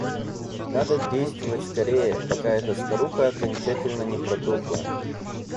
Надо действовать скорее, пока эта старуха окончательно не протухла.